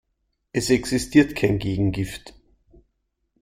Es existiert kein Gegengift.